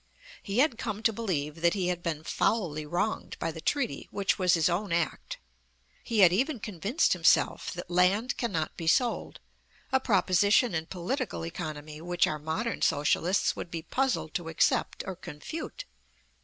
He had come to believe that he had been foully wronged by the treaty which was his own act; he had even convinced himself that "land cannot be sold," a proposition in political economy which our modern socialists would be puzzled to accept or confute.